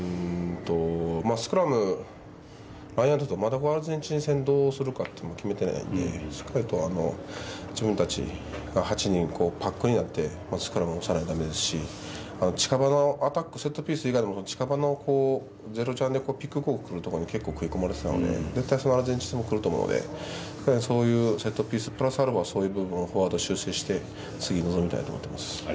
スクラム、ラインアウトと全くアルゼンチン戦どうするかっていうの決めてないのでしっかりと自分たちが８人パックになってスクラムをしないとだめですし近場のアタックセットピース以外も近場のゼロチャンでピックゴーくるところ結構、食い込まれてたので絶対アルゼンチンもくると思うのでそういうセットピースプラスアルファそういう部分をフォワード修正して次に臨みたいと思っています。